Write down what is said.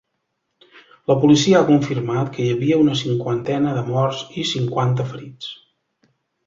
La policia ha confirmat que hi havia una cinquantena de morts i cinquanta ferits.